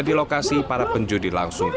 di lokasi para penjudi langsung